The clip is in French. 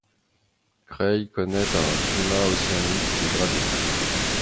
Creil connaît un climat océanique dégradé.